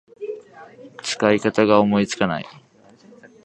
使い方が思いつかない